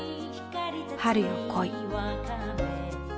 「春よ、来い」。